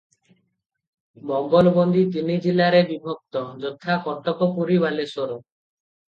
ମୋଗଲବନ୍ଦୀ ତିନି ଜିଲାରେ ବିଭକ୍ତ, ଯଥା:-କଟକ, ପୁରୀ ଓ ବାଲେଶ୍ୱର ।